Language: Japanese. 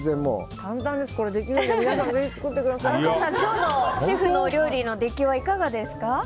虻川さん、今日のシェフのお料理の出来はいかがですか？